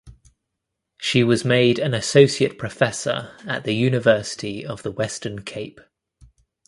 She was made an associate professor at the University of the Western Cape.